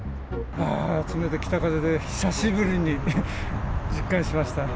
冷たい北風で、久しぶりに実感しました。